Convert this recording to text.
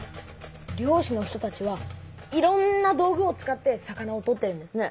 漁師の人たちはいろんな道具を使って魚を取ってるんですね。